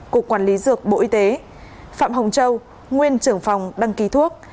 cục quản lý dược bộ y tế phạm hồng châu nguyên trưởng phòng đăng ký thuốc